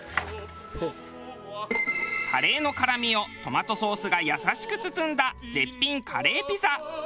カレーの辛みをトマトソースが優しく包んだ絶品カレーピザ。